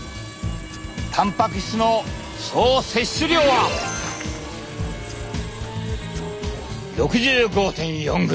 たんぱく質の総摂取量は６５．４ｇ。